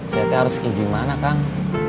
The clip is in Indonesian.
si dede harus pergi gimana kang